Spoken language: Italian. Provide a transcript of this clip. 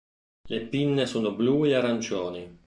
Le pinne sono blu e arancioni.